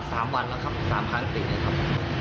สามวันแล้วครับสามครั้งติดเลยครับ